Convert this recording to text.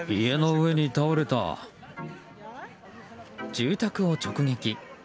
住宅を直撃。